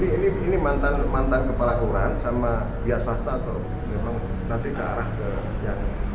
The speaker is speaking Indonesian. jadi ini mantan kepala lura sama dia swasta atau memang satu kearah